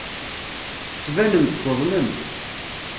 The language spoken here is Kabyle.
Tettbanem-d tuḍnem.